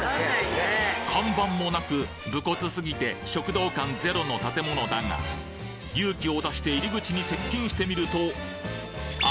看板もなく無骨すぎて食堂感ゼロの建物だが勇気を出して入り口に接近してみるとあ！